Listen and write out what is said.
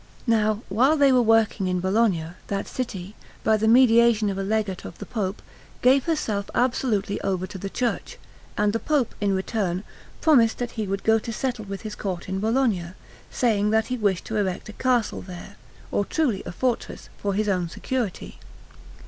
Now, while they were working in Bologna, that city, by the mediation of a Legate of the Pope, gave herself absolutely over to the Church; and the Pope, in return, promised that he would go to settle with his Court in Bologna, saying that he wished to erect a castle there, or truly a fortress, for his own security.